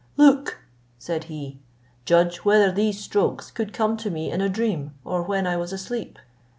"Look," said he, "judge whether these strokes could come to me in a dream, or when I was asleep.